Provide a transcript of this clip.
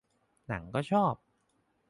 หนังก็ชอบ